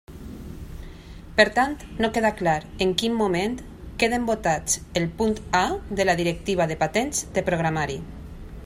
Per tant no queda clar en quin moment queden votats el punt A de la directiva de patents de programari.